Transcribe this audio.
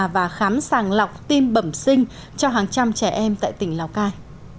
và khám sàng lọc tim bẩm sinh cho hàng trăm trẻ em tại tỉnh lào cai